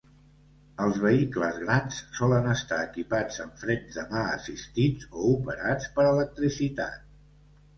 Els vehicles grans solen estar equipats amb frens de mà assistits o operats per electricitat.